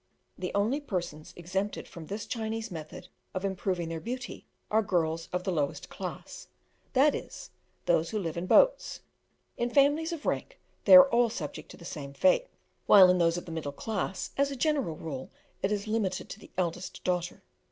The only persons exempted from this Chinese method of improving their beauty are girls of the lowest class that is, those who live in boats; in families of rank they are all subject to the same fate; while in those of the middle classes, as a general rule, it is limited to the eldest daughter.